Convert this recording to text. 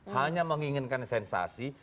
hanya menginginkan sensasi